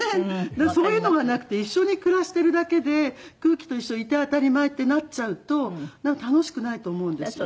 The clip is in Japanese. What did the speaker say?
そういうのがなくて一緒に暮らしてるだけで空気と一緒いて当たり前ってなっちゃうと楽しくないと思うんですよね。